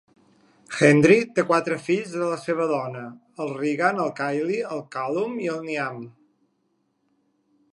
Hendry té quatre fills de la seva dona: el Rheagan, el Kyle, el Callum i el Niamh.